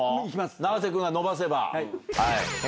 永瀬君が伸ばせば。